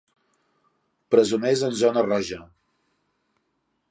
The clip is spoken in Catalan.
Presoners en zona roja: